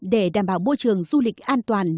để đảm bảo môi trường du lịch an toàn